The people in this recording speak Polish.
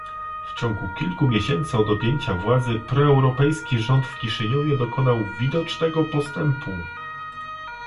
W ciągu kilku miesięcy od objęcia władzy proeuropejski rząd w Kiszyniowie dokonał widocznego postępu